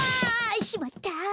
しまった。